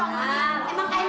buat panggung batal